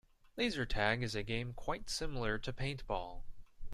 Laser tag is a game quite similar to paintball.